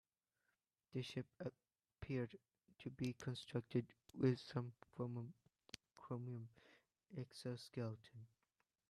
The ship appeared to be constructed with some form of chromium exoskeleton.